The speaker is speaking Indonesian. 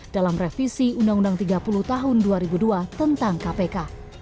dalam revisi undang undang tiga puluh tahun dua ribu dua tentang kpk